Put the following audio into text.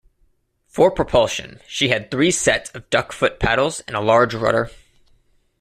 For propulsion, she had three sets of duck-foot paddles and a large rudder.